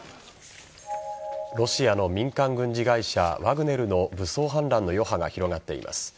ロシアの民間軍事会社ワグネルの武装反乱の余波が広がっています。